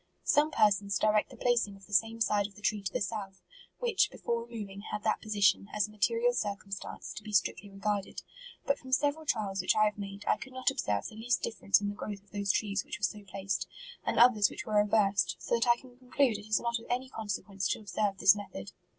"Some persons direct the placing of the same side of the tree to the south, which, be fore removing, had that position, as a mate rial circumstance, to be strictly regarded ; but, from several trials which I have made, I could not observe the least difference in tbe growth of those trees which were so pla ced, and others which were reversed ; so that I conclude it is not of any consequence to observe this method."